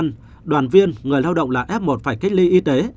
nhưng đoàn viên người lao động là f một phải cách ly y tế